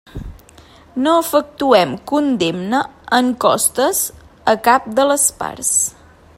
No efectuem condemna en costes a cap de les parts.